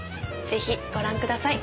ぜひご覧ください。